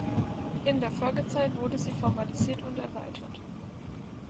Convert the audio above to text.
In der Folgezeit wurde sie formalisiert und erweitert.